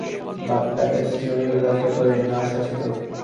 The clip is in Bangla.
বাপ পাপিষ্ঠ, উনি মহৎ লজ্জা করে না শশী তোর?